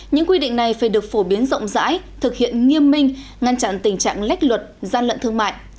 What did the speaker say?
những quy định này phải được phổ biến rộng rãi thực hiện nghiêm minh ngăn chặn tình trạng lách luật gian lận thương mại